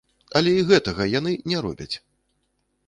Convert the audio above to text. Але і гэтага яны не робяць!